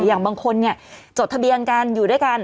อย่างบางคนจดทะเบียนกันอยู่ด้วยกัน